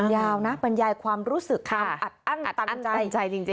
ยาวนะบรรยายความรู้สึกธรรมอัตอันใจ